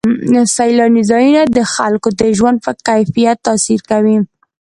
سیلاني ځایونه د خلکو د ژوند په کیفیت تاثیر کوي.